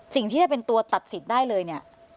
สิ่งที่จะเป็นตัวตัดสินได้เลยเนี่ย